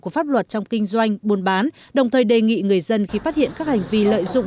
của pháp luật trong kinh doanh buôn bán đồng thời đề nghị người dân khi phát hiện các hành vi lợi dụng